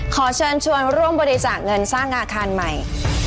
ขอเชิญชวนร่วมบริจาคเงินสร้างอาคารใหม่